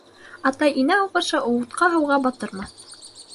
Атай-инә алғышы утҡа-һыуға батырмаҫ.